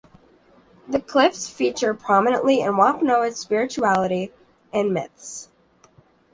The cliffs feature prominently in Wampanoag spirituality and myths.